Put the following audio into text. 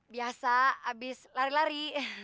biasa abis lari lari